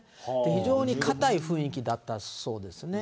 非常に硬い雰囲気だったそうですね。